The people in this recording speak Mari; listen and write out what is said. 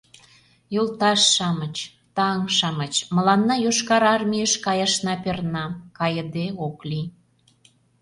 Йолташ-шамыч, таҥ-шамыч, мыланна Йошкар Армийыш каяшна перна... кайыде ок лий...